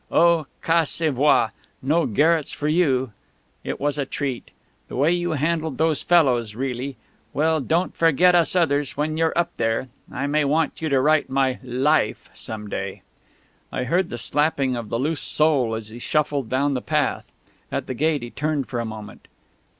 Oh, ca se voit! No garrets for you! It was a treat,' the way you handled those fellows really ... Well don't forget us others when you're up there I may want you to write my 'Life' some day...." I heard the slapping of the loose sole as he shuffled down the path. At the gate he turned for a moment.